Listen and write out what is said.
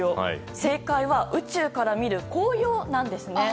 正解は宇宙から見る紅葉なんです。